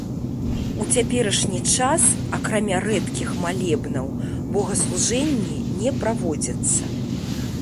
У цяперашні час, акрамя рэдкіх малебнаў, богаслужэнні не праводзяцца.